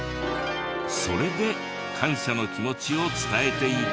それで感謝の気持ちを伝えていた。